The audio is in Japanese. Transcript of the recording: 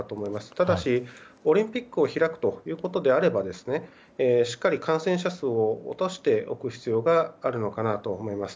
ただし、オリンピックを開くということであればしっかり感染者数を落としておく必要があると思います。